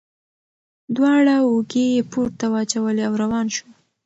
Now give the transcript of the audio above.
دواړه اوږې یې پورته واچولې او روان شو.